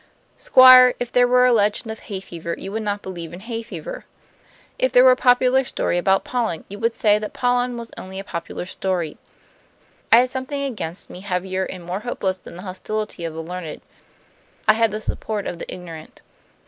"Squire, if there were a legend of hay fever, you would not believe in hay fever. If there were a popular story about pollen, you would say that pollen was only a popular story. I had something against me heavier and more hopeless than the hostility of the learned; I had the support of the ignorant.